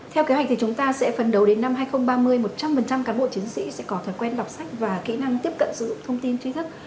theo kế hoạch thì chúng ta sẽ phấn đấu đến năm hai nghìn ba mươi một trăm linh cán bộ chiến sĩ sẽ có thói quen đọc sách và kỹ năng tiếp cận sử dụng thông tin chi thức